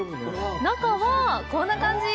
中はこんな感じ。